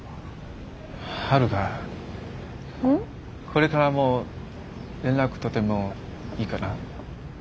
これからも連絡取ってもいいかな？